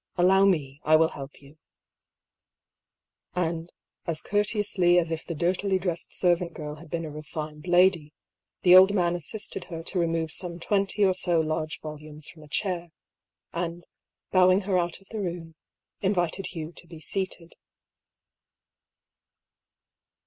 Allow me, I will help you ;" and as courteously as if the dirtily dressed serv ant girl had been a refined lady, the old man assisted her to remove some twenty or so large volumes from a chair, and bowing her out of the room, invited Hugh to be seated.